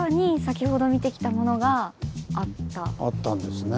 あったんですね。